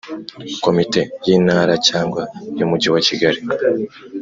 Komite y Intara cyangwa y Umujyi wa kigali